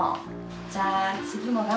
じゃあ。